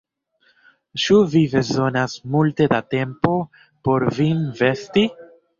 Ĉu vi bezonas multe da tempo por vin vesti?